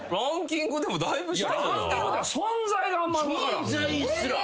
存在すら。